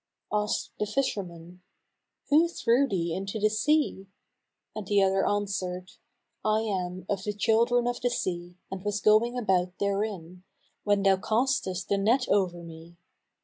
Asked the fisherman, "Who threw thee into the sea?"; and the other answered, "I am of the children of the sea, and was going about therein, when thou castest the net over me.